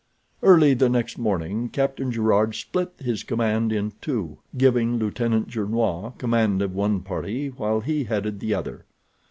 Early the next morning Captain Gerard split his command in two, giving Lieutenant Gernois command of one party, while he headed the other.